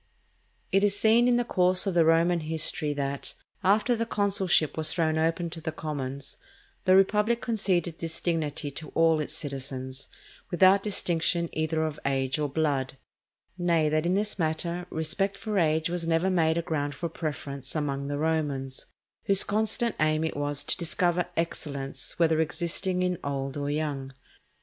It is seen in the course of the Roman history that, after the consulship was thrown open to the commons, the republic conceded this dignity to all its citizens, without distinction either of age or blood; nay, that in this matter respect for age was never made a ground for preference among the Romans, whose constant aim it was to discover excellence whether existing in old or young.